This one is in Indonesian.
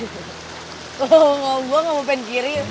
kalau ngomong nggak mau pengen kiri